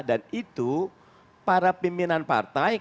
dan itu para pimpinan partai